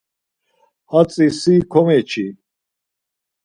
Hatzi si komeçi.